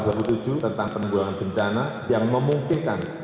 tentang penanggulangan bencana yang memungkinkan